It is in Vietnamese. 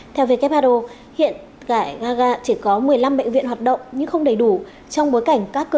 theo who hiện tại gaza chỉ có một mươi năm bệnh viện hoạt động nhưng không đầy đủ trong bối cảnh các cơ quan vận chuyển hàng cứu trợ bị hủy